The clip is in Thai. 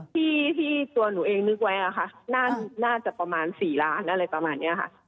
ที่ตัวหนูเองนึกไว้อะค่ะน่าจะประมาณ๔ล้านอะไรประมาณนี้ค่ะ